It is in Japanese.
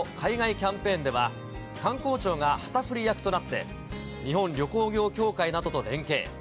キャンペーンでは、観光庁が旗振り役となって、日本旅行業協会などと連携。